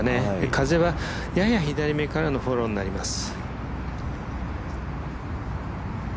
風はやや左目からのフォローになります。